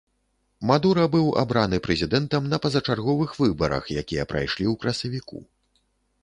Мадура быў абраны прэзідэнтам на пазачарговых выбарах, якія прайшлі ў красавіку.